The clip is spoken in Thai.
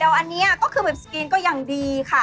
แล้วอันนี้ก็คือเว็บสกรีนก็ยังดีค่ะ